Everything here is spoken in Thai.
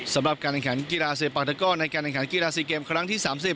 สำหรับการแข่งขันกีฬาเซปาตะก้อในการแข่งขันกีฬา๔เกมครั้งที่๓๐